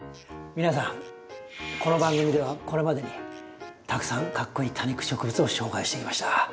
皆さんこの番組ではこれまでにたくさんかっこイイ多肉植物を紹介してきました。